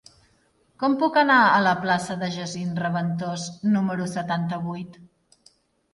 Com puc anar a la plaça de Jacint Reventós número setanta-vuit?